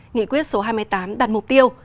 nghị quyết số hai mươi tám đặt mục tiêu